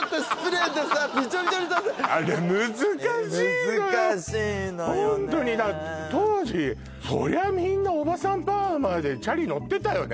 ホントに難しいのよね当時そりゃあみんなおばさんパーマでチャリ乗ってたよね